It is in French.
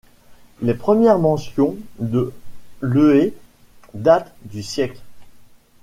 Les premières mentions de Lehe datent du siècle.